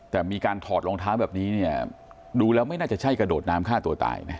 แต่มีการถอดรองเท้าแบบนี้เนี่ยดูแล้วไม่น่าจะใช่กระโดดน้ำฆ่าตัวตายนะ